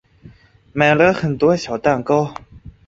买了很多小蛋糕